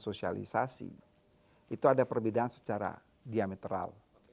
sosialisasi itu ada perbedaan secara diametral